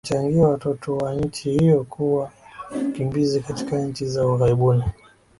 yanachangia watoto wa nchi hiyo kuwa wakimbizi katika nchi za ughaibuni